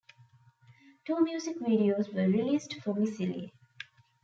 Two music videos were released for Missile.